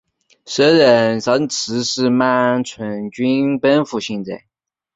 时任虢州刺史的满存率军奔赴行在。